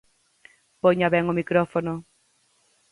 Poña ben o micrófono.